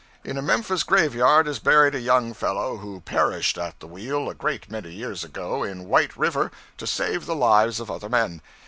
In a Memphis graveyard is buried a young fellow who perished at the wheel a great many years ago, in White River, to save the lives of other men.